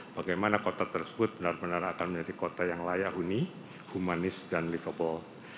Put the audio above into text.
bagaimana kota tersebut benar benar akan menjadi kota yang layak huni humanis dan livable